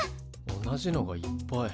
同じのがいっぱい。